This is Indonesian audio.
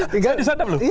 tidak disatap lu